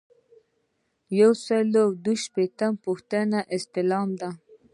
یو سل او دوه شپیتمه پوښتنه استعلام دی.